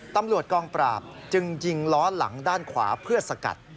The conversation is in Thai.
ตำรวจกองปราบจึงยิงล้อหลังด้านขวาเพื่อสกัด